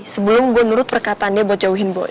sebelum gue nurut perkataannya buat jauhin boy